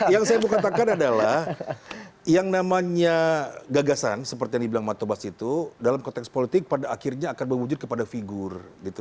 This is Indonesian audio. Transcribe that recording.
yang saya mau katakan adalah yang namanya gagasan seperti yang dibilang matobas itu dalam konteks politik pada akhirnya akan berwujud kepada figur gitu